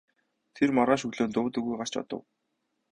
Тэр маргааш өглөө нь дув дуугүй гарч одов.